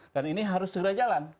dan ini harus segera jalan